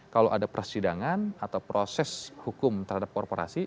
kalau ada persidangan atau proses hukum terhadap korporasi